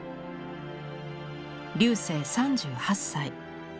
劉生３８歳。